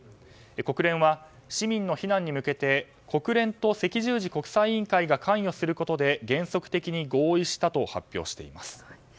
国連は、市民の避難に向けて国連と赤十字国際委員会が関与することで原則的に合意したと発表しています。